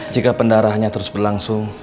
jika pendarahnya terus berlangsung